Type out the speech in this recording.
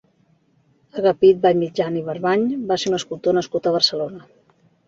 Agapit Vallmitjana i Barbany va ser un escultor nascut a Barcelona.